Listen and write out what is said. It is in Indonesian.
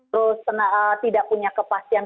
terus tidak punya kepastian